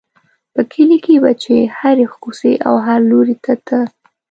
په کلي کې به چې هرې کوڅې او هر لوري ته ته.